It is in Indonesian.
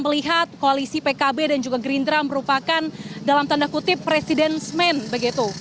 melihat koalisi pkb dan juga gerindra merupakan dalam tanda kutip presiden men begitu